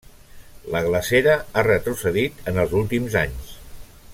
La glacera ha retrocedit en els últims anys.